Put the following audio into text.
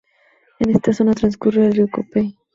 En esta zona transcurre el Río Copey.